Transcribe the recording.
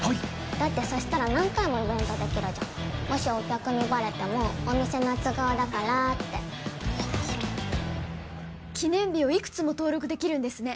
・だってそしたら何回もイベントできるじゃんもしお客にバレてもお店の都合だからってなるほど記念日をいくつも登録できるんですね